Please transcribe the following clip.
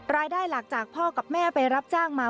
รายได้หลักจากพ่อกับแม่ไปรับจ้างมา